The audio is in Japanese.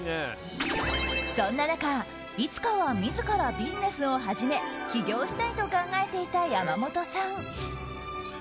そんな中、いつかは自らビジネスを始め起業したいと考えていた山本さん。